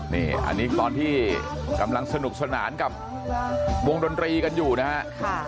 นี่อันนี้ตอนที่กำลังสนุกสนานกับวงดนตรีกันอยู่นะฮะ